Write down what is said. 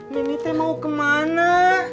mimi teh mau kemana